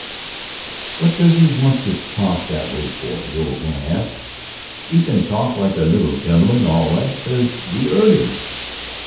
"What does he want to talk that way for?" the old man asked. "'E can talk like a little gentleman all right 'cause we 'eard 'im."